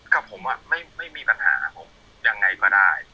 กับผมไม่มีปัญหายังไงก็ได้